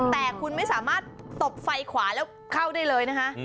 แต่คุณไม่สามารถตบไฟขวาแล้วเข้าได้เลยนะคะ